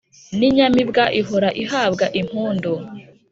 n’inyamibwa ihora ihabwa impundu